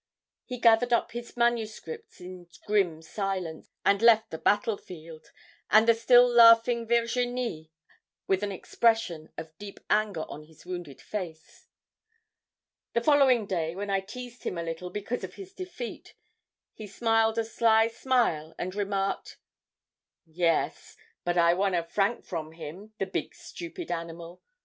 He gathered up his manuscripts in grim silence and left the battlefield and the still laughing Virginie with an expression of deep anger on his wounded face. "The following day, when I teased him a little because of his defeat, he smiled a sly smile and remarked: "'Yes, but I won a franc from him, the big stupid animal.